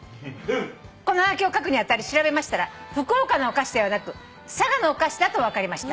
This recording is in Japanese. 「このはがきを書くにあたり調べましたら福岡のお菓子ではなく佐賀のお菓子だと分かりました」